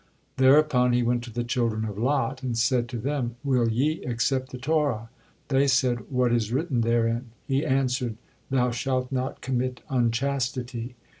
Thereupon He went to the children of Lot and said to them, "Will ye accept the Torah?" They said, "What is written therein?" He answered, "Thou shalt not commit unchastity."